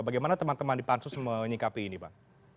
bagaimana teman teman di pansus menyikapi ini pak